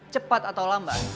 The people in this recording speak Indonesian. cepat atau lambat